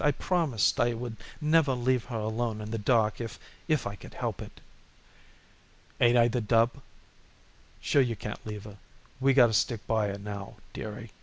I promised I would never leave her alone in the dark if if I could help it." "Ain't I the dub? Sure you can't leave her. We gotta stick by her now, dearie.